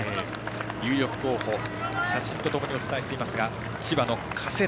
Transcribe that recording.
有力候補写真と共にお伝えしていますが千葉の加世田。